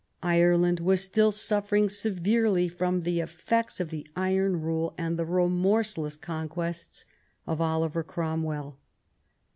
Ireland was still suffering severely from the effects of the iron rule and the remorseless conquests of Oliver Cromwell.